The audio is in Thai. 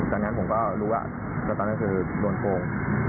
ดังนั้นผมก็รู้ว่าตอนนั้นคือโดนโกง